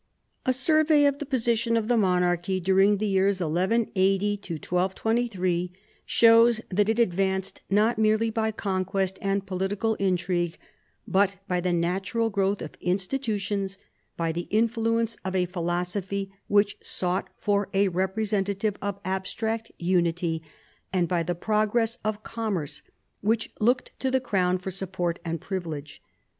A survey of the position of the monarchy during the years 1180 to 1223 shows that it advanced not merely by conquest and political intrigue, but by* the natural growth of institutions, by the influence of a philosophy which sought for a representative of abstract unity, and by the progress of commerce which looked to the crown for support and privilege.